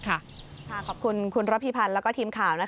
ขอบคุณคุณระพิพันธ์และทีมข่าว